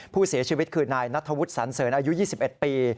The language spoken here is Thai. ผู้เสียชีวิตคือนายนัทธวุฒิสันเสริญอายุ๒๑ปี